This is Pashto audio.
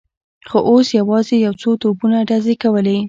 خو اوس یوازې یو څو توپونو ډزې کولې.